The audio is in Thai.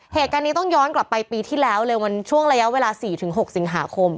เหตุการณ์นี้ต้องย้อนกลับไปปีที่แล้วเลยมันช่วงระยะเวลา๔๖สิงหาคม